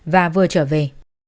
và vừa trở về